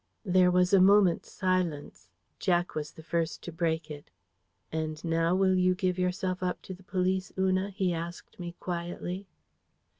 There was a moments silence. Jack was the first to break it. "And now will you give yourself up to the police, Una?" he asked me quietly.